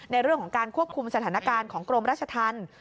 ในเรื่องของการควบคุมสถานการณ์ของกรมราชธรรม